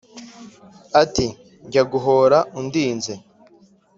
iti : jya guhora undinze